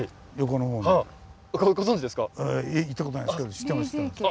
行ったことないですけど知ってます。